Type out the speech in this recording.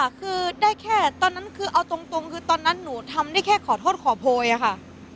คือได้แค่ตอนนั้นคือเอาตรงคือตอนนั้นหนูทำได้แค่ขอโทษขอโพยอะค่ะ